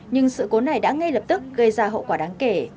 nhưng sự cố này đã ngay lập tức gây ra hậu quả đáng kể